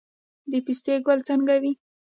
د پستې ګل څنګه وي؟